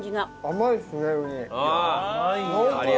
甘いですねウニ。